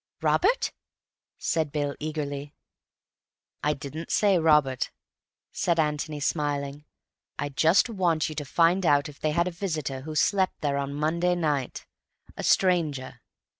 "Robert?" said Bill eagerly. "I didn't say Robert," said Antony, smiling. "I just want you to find out if they had a visitor who slept there on Monday night. A stranger.